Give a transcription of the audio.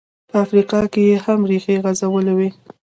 په افریقا کې یې هم ریښې غځولې وې.